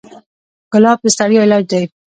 ګلاب د ستړیا علاج دی.